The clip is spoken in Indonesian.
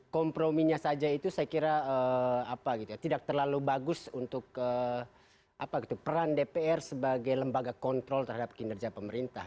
komprominya saja itu saya kira tidak terlalu bagus untuk peran dpr sebagai lembaga kontrol terhadap kinerja pemerintah